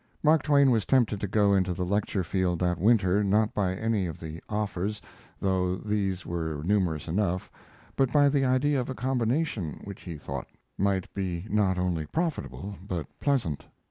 Mark Twain was tempted to go into the lecture field that winter, not by any of the offers, though these were numerous enough, but by the idea of a combination which he thought night be not only profitable but pleasant.